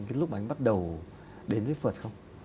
cái lúc anh bắt đầu đến với phật không